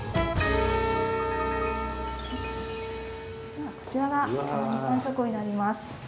ではこちらが一般書庫になります。